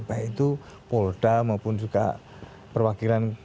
baik itu polda maupun juga perwakilan kabin daerah